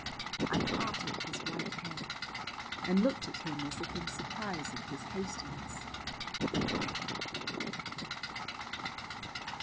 I parted his white hair, and looked at him as if in surprise at his hastiness.